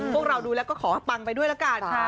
พวกเราดูแล้วก็ขอให้ปังไปด้วยละกัน